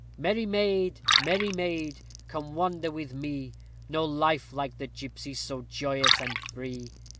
_Merry maid, merry maid, come and wander with me! No life like the gipsy's, so joyous and free!